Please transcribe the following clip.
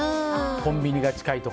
コンビニが近いとか。